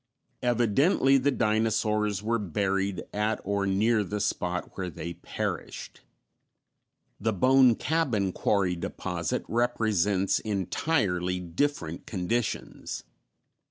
Evidently the dinosaurs were buried at or near the spot where they perished. The Bone Cabin Quarry deposit represents entirely different conditions.